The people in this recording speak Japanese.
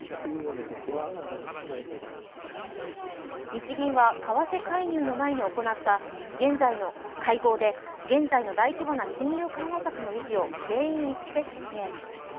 日銀は為替介入の前に行った会合で現在の大規模な金融緩和策の維持を全員一致で決定。